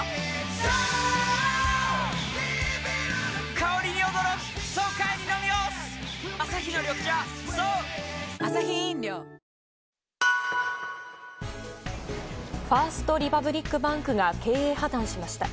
颯アサヒの緑茶「颯」ファースト・リパブリック・バンクが経営破綻しました。